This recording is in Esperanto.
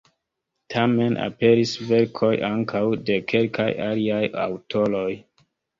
Tamen aperis verkoj ankaŭ de kelkaj aliaj aŭtoroj.